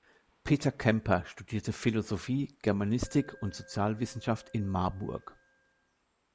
Peter Kemper studierte Philosophie, Germanistik und Sozialwissenschaft in Marburg.